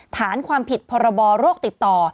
ฐานความผิดพรบโรคติดต่อ